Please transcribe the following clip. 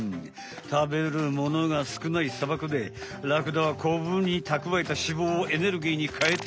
たべるものがすくない砂漠でラクダはコブにたくわえた脂肪をエネルギーにかえているんだ。